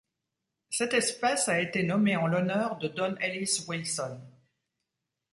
Cette espèce a été nommée en l'honneur de Don Ellis Wilson.